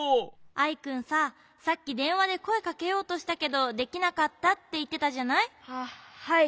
アイくんささっきでんわでこえかけようとしたけどできなかったっていってたじゃない？ははい。